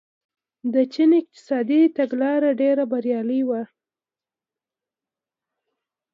د چین اقتصادي تګلاره ډېره بریالۍ وه.